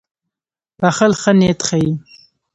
• بښل ښه نیت ښيي.